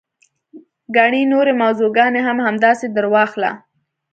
ګڼې نورې موضوع ګانې هم همداسې درواخله.